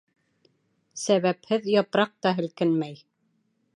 Сәбәпһеҙ япраҡ та һелкенмәй.